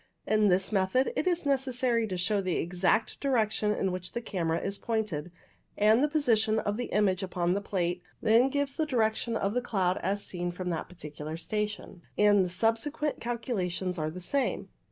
In this method it is necessary to know the exact direction in which the camera is pointed, and the position of the image upon the plate then gives the direction of the cloud as seen from that particular station, and the subsequent calculations are the same.